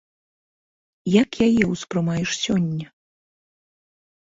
Як яе ўспрымаеш сёння?